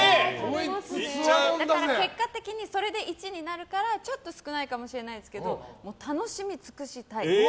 だから結果的にそれで１になるからちょっと少ないかもしれないけど楽しみ尽くしたい。